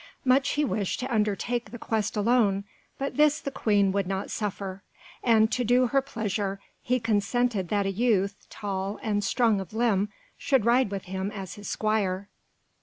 Much he wished to undertake the quest alone, but this the Queen would not suffer, and to do her pleasure he consented that a youth, tall and strong of limb, should ride with him as his squire.